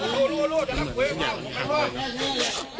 มันหมดไปเลยอ่ะพี่